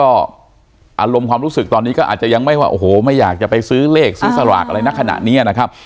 อารมณ์ความรู้สึกตอนนี้ก็ยังไม่หวันโหไม่อยากจะไปซื้อเลขซื้อขนาดนี้นะครับ